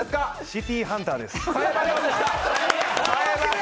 シティハンターです。